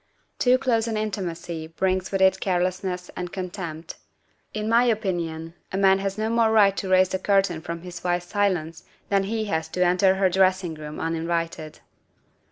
Too close an intimacy brings with it carelessness and contempt. In my opinion, a man has no more right to raise the curtain from his wife's silence than he has to enter her dressing room unin vited."